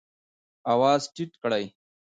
آواز ټیټ کړئ